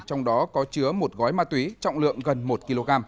trong đó có chứa một gói ma túy trọng lượng gần một kg